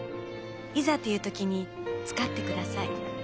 いざという時に使って下さい。